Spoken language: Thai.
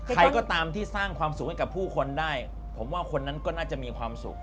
ใครก็ตามที่สร้างความสุขให้กับผู้คนได้ผมว่าคนนั้นก็น่าจะมีความสุข